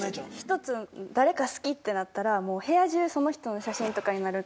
一つ誰か好きってなったらもう部屋中その人の写真とかになるタイプなんです。